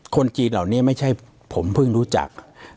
คนจีนเหล่านี้ไม่ใช่ผมเพิ่งรู้จัก